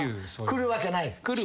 来るわけない。